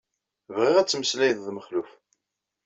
Bɣiɣ ad temmeslayeḍ d Mexluf.